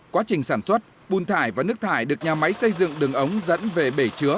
quá trình sản xuất bùn thải và nước thải được nhà máy xây dựng đường ống dẫn về bể chứa